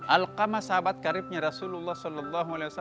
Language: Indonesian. alqama sahabat karibnya rasulullah saw